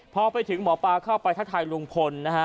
พอไปถึงหมอปลาเข้าไปทักทายลุงพลนะฮะ